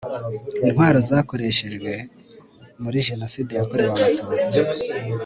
intwaro zakoreshejwe muri jenoside yakorewe abatutsi